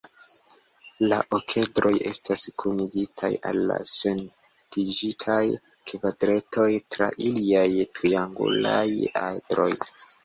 La okedroj estas kunigitaj al la senpintigitaj kvaredroj tra iliaj triangulaj edroj.